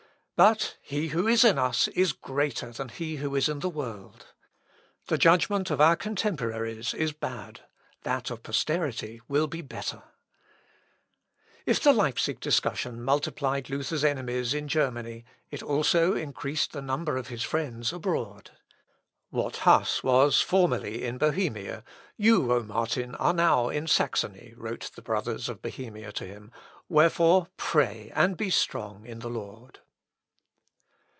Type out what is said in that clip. But he who is in us is greater than he who is in the world. The judgment of our contemporaries is bad; that of posterity will be better." "Præsens male judicat ætas; judicium menus posteritatis erit." (L. Op. Lat. i, 310.) If the Leipsic discussion multiplied Luther's enemies in Germany, it also increased the number of his friends abroad; "What Huss was formerly in Bohemia, you, O Martin, are now in Saxony," wrote the brothers of Bohemia to him; "wherefore pray and be strong in the Lord."